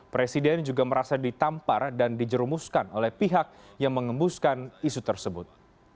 presiden juga merasa ditampar dan dijerumuskan oleh pihak yang mengembuskan isu tersebut